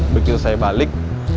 begitu saya balik